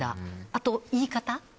あと、言い方。